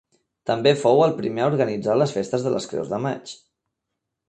També fou el primer a organitzar les festes de les Creus de Maig.